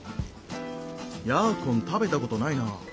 ヤーコン食べたことないなあ。